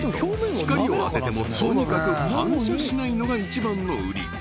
光を当ててもとにかく反射しないのが一番の売り